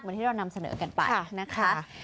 เหมือนที่เรานำเสนอกันไปนะคะ